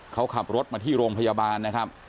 เขาขับรถมาที่โรงพยาบาลนะครับ